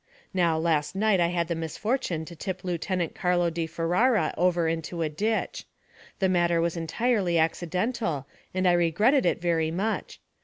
Now last night I had the misfortune to tip Lieutenant Carlo di Ferara over into a ditch. The matter was entirely accidental, and I regretted it very much.